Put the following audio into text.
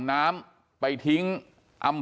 กลุ่มตัวเชียงใหม่